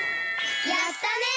やったね！